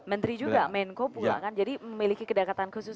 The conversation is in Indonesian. menteri juga menko pulang kan jadi memiliki kedekatan khusus